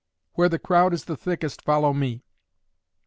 Where the crowd is the thickest follow me.